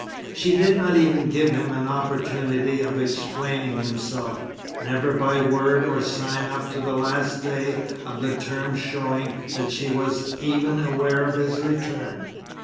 She did not even give him an opportunity of explaining himself, never by word or sign up to the last day of the term showing that she was even aware of his return.